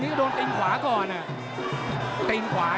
ติดตามยังน้อยกว่า